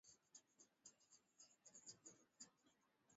limetoa habari juu ya kutoa onyo